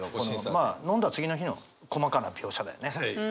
まあ飲んだ次の日の細かな描写だよね。